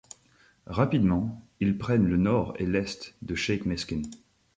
Rapidement ils prennent le nord et l'est de Cheikh Meskin.